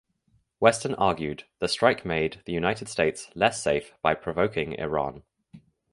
Weston argued the strike made the United States less safe by provoking Iran.